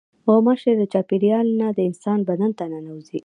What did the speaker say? غوماشې له چاپېریاله نه د انسان بدن ته ننوځي.